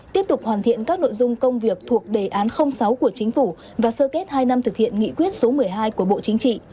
tiếp tục hoàn thiện các nội dung công việc thuộc đề án sáu của chính phủ và sơ kết hai năm thực hiện nghị quyết số một mươi hai của bộ chính trị